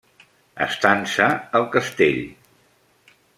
Estança al castell.